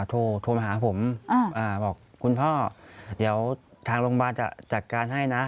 โทรมาหาผมบอกคุณพ่อเดี๋ยวทางโรงพยาบาลจะจัดการให้นะ